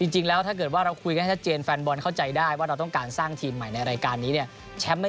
จริงแล้วถ้าเกิดว่าเราคุยกันให้ชัดเจน